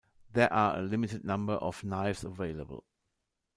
There are a limited number of knives available.